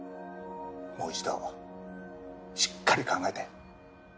もう一度しっかり考えて。